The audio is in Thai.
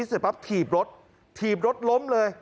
ทำไมคงคืนเขาว่าทำไมคงคืนเขาว่า